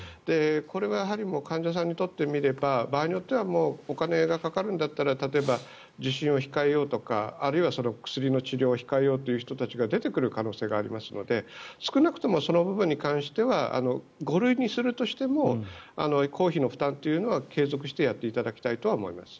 これはやはり患者さんにとってみれば場合によってはお金がかかるんだったら例えば、受診を控えようとかあるいは薬の治療を控えようという人たちが出てくる可能性がありますので少なくともその部分に関しては５類にするとしても公費の負担というのは継続してやっていただきたいとは思います。